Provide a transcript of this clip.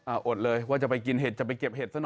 อดเลยว่าจะไปกินเห็ดจะไปเก็บเห็ดซะหน่อย